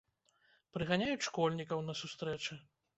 Прыганяюць школьнікаў на сустрэчы.